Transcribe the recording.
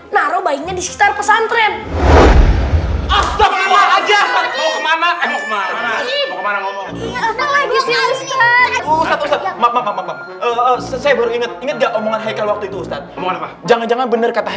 naro baiknya di sekitar pesantren ayo kita kemana kemana mau kemana mau kemana mau kemana